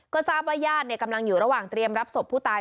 ก็ทราบว่าญาติกำลังอยู่ระหว่างเตรียมรับศพผู้ตาย